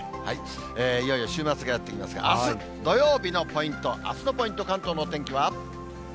いよいよ週末がやって来ますが、あす土曜日のポイント、あすのポイント、関東のお天気は。